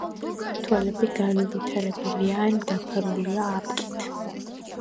თვალები განუვითარებელია ან დაფარულია აპკით.